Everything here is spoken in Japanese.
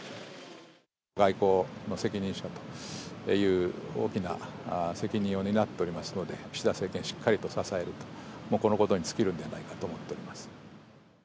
外交の責任者という大きな責任を担っておりますので、岸田政権をしっかりと支えると、このことに尽きるんではないかと思っております。